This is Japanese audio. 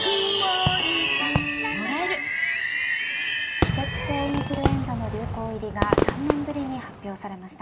季節性インフルエンザの流行入りが３年ぶりに発表されました。